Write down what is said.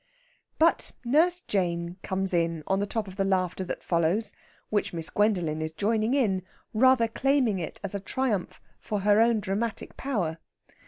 But Nurse Jane comes in on the top of the laughter that follows, which Miss Gwendolen is joining in, rather claiming it as a triumph for her own dramatic power.